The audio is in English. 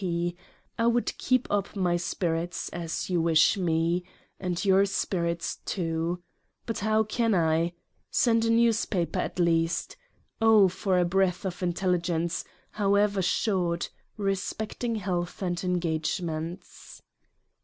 P. 1 would keep up my Spirits as you wish me and your Spirits too. But hoio can I? Send a Newspaper at least. Oh for a Breath of Intelligence, however Short, respecting Health and En gagements.